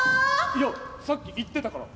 いやさっき言ってたから。